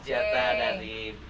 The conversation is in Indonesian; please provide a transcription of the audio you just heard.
jata dari dpr